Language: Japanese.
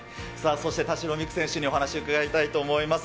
そして田代未来選手にお話を伺いたいと思います。